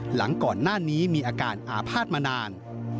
หลังก่อนหน้านี้มีอาการอาภาษณ์มานาน